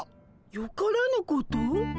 よからぬこと？